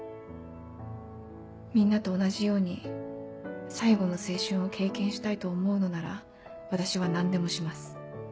みんなと同じように最後の青春を経験したいと思うのなら私は何でもします。